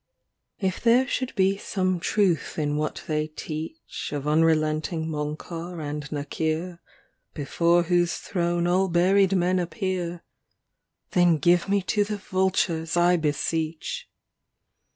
XLII If there should be some truth in what they teach Of unrelenting Monkar and Nakyr, Before whose throne all buried men appear Then give me to the vultures, I beseech.